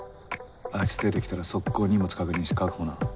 あいつ出て来たら即行荷物確認して確保な。